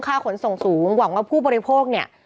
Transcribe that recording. ขนส่งสูงหวังว่าผู้บริโภคเนี่ย